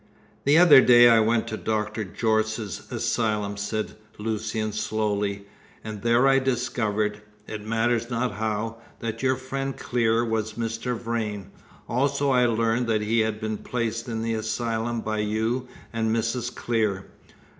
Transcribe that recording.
"The other day I went to Dr. Jorce's asylum," said Lucian slowly, "and there I discovered it matters not how that your friend Clear was Mr. Vrain; also I learned that he had been placed in the asylum by you and Mrs. Clear.